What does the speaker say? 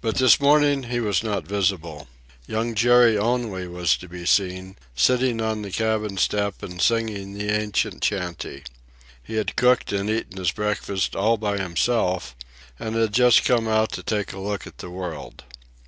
But this morning he was not visible. Young Jerry only was to be seen, sitting on the cabin step and singing the ancient chantey. He had cooked and eaten his breakfast all by himself, and had just come out to take a look at the world.